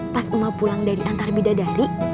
pas emak pulang dari antar beda dari